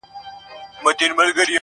بدكارمو كړی چي وركړي مو هغو ته زړونه.